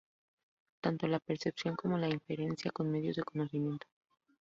Tanto la percepción como la inferencia son medios de conocimiento.